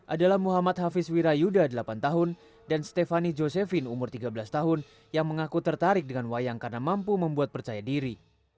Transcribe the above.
adalah muhammad hafiz wirayuda delapan tahun dan stefani josephin umur tiga belas tahun yang mengaku tertarik dengan wayang karena mampu membuat percaya diri